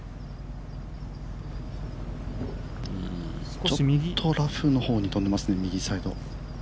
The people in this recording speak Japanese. ちょっとラフの方に飛んでますね、右サイド。